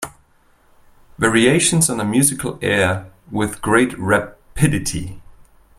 Variations on a musical air With great rapidity.